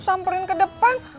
sampai ke depan